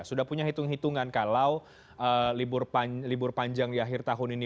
sudah punya hitung hitungan kalau libur panjang di akhir tahun ini